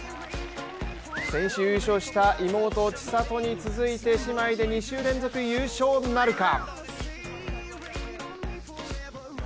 先週優勝した妹・千怜に続いて姉妹で２週連続優勝なるか。